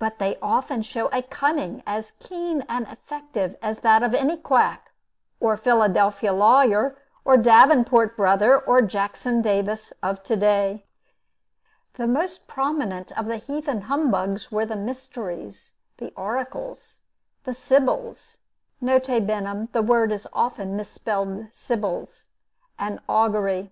But they often show a cunning as keen and effective as that of any quack, or Philadelphia lawyer, or Davenport Brother, or Jackson Davis of to day. The most prominent of the heathen humbugs were the mysteries, the oracles, the sibyls (N. B., the word is often mis spelled sybils,) and augury.